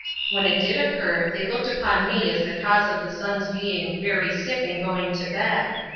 When it did occur they looked upon me as the cause of the Sun's being 'very sick and going to bed.